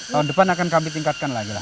tahun depan akan kami tingkatkan lagi lah